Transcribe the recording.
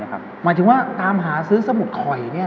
หมายถึงว่าตามหาซื้อสมุดคอยนี่ล่ะ